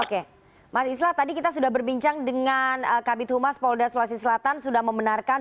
oke mas islah tadi kita sudah berbincang dengan kak bituma polodasolusi selatan sudah membenarkan